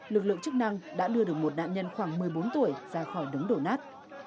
lực lượng chức năng đã đưa được một nạn nhân khoảng một mươi bốn tuổi ra khỏi đống đổ nát